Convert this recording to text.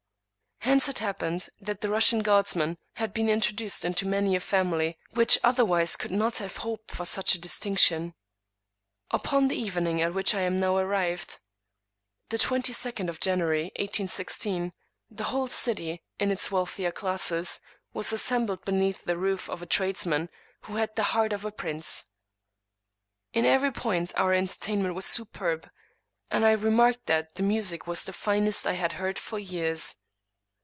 Hence it had happened that the Russian guardsman had been introduced into many a family which otherwise could not have hoped for such a distinction. Upon the evening at which I am now arrived, the twenty second of January, 1816, the whole city, in its wealthier classes, was assembled beneath the roof of a tradesman who had the heart of a 117 English Mystery Stories prince. In every point our entertainment was superb; and I remarked that the music was the finest I had heard for years.